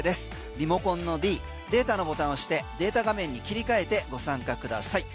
リモコンのｄデータのボタン押してデータ画面に切り替えてご参加ください。